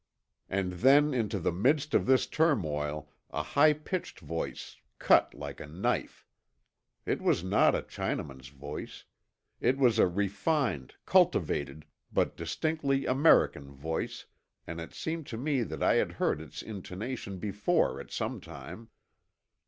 And then into the midst of this turmoil a high pitched voice cut like a knife. It was not a Chinaman's voice. It was a refined, cultivated, but distinctly American voice, and it seemed to me that I had heard its intonation before at some time.